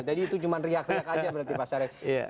jadi itu cuma riak riak aja berarti mas arya